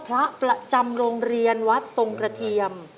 พระประจำโรงเรียนวัดทรงกระเทียม